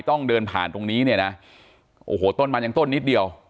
ต้องเดินผ่านตรงนี้เนี่ยนะโอ้โหต้นมันยังต้นนิดเดียว